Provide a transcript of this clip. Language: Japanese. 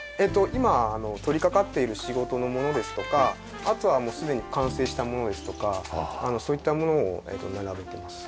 今取りかかっている仕事のものですとかあとはもうすでに完成したものですとかそういったものを並べてます。